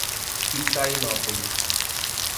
Itainópolis